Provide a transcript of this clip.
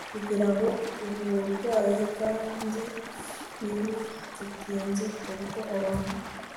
kugira uburwayi kandi ntibigitinze ubwo abantu